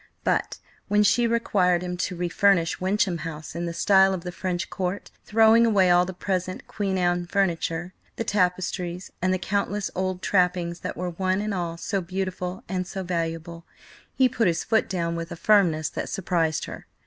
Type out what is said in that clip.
But when she required him to refurnish Wyncham House in the style of the French Court, throwing away all the present Queen Anne furniture, the tapestries, and the countless old trappings that were one and all so beautiful and so valuable, he put his foot down with a firmness that surprised her.